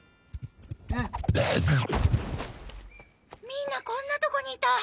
みんなこんなとこにいた！